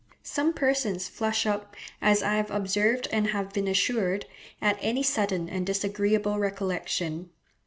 Some persons flush up, as I have observed and have been assured, at any sudden and disagreeable recollection.